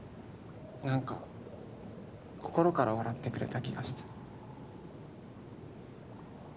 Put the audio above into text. なんか心から笑ってくれた気がして。